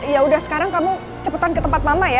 yaudah sekarang kamu cepetan ke tempat mama ya